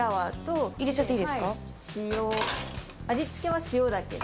味付けは塩だけで。